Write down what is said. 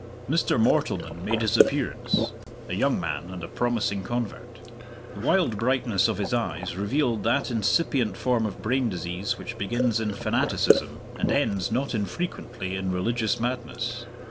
Mr. Mortleman made his appearance a young man and a promising convert. The wild brightness of his eyes revealed that incipient form of brain disease which begins in fanaticism, and ends not infrequently in religious madness.